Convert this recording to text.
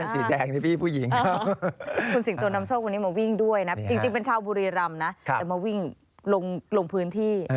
สิ่งโตน้ำโชควันนี้มาวิ่งด้วยนะจริงเป็นชาวบุรีรำนะแต่มาวิ่งลงพื้นที่